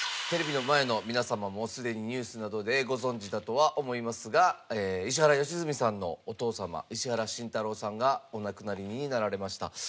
テレビの前の皆様もすでにニュースなどでご存じだとは思いますが石原良純さんのお父様石原慎太郎さんがお亡くなりになられました。